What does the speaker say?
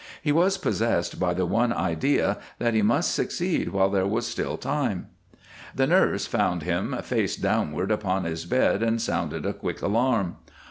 He was possessed by the one idea, that he must succeed while there was still time. The nurse found him face downward upon his bed and sounded a quick alarm.